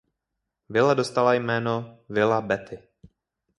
Vila dostala jméno "Villa Betty".